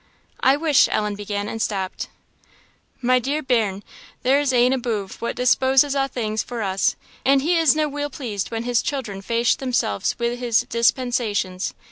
"I wish," Ellen began, and stopped. "My dear bairn, there is Ane abuve what disposes a' things for us; and he isna weel pleased when His children fash themselves wi' His dispensations.